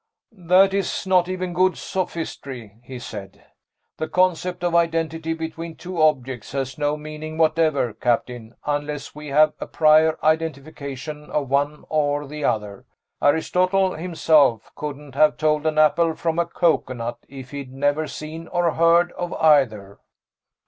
"That's not even good sophistry," he said. "The concept of identity between two objects has no meaning whatever, Captain, unless we have a prior identification of one or the other. Aristotle himself couldn't have told an apple from a coconut if he'd never seen or heard of either."